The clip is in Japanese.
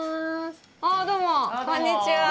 ああどうもこんにちは。